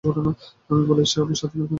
আমি বলেছি, আমার স্বাধীনতা চাই।